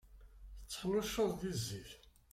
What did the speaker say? Tteḥnuccuḍ di zzit.